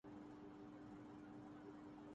بین الاقوامی اورمعاشرتی زندگی اسی سے قائم رہتی ہے۔